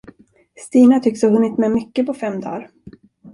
Stina tycks ha hunnit med mycket på fem dar.